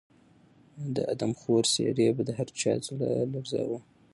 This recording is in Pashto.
د آدمخورو څېرې به د هر چا زړه لړزاوه.